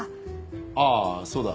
あぁそうだ